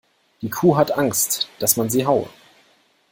Die Kuh hat Angst, dass man sie haue.